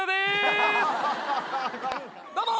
どうも。